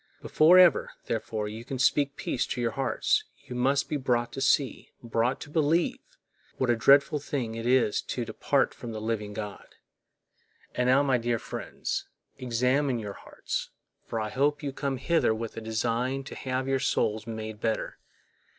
Before ever, therefore, you can speak peace to your hearts, you must be brought to see, brought to believe, what a dreadful thing it is to depart from the living God.And now, my dear friends, examine your hearts, for I hope you came hither with a design to have your souls made better.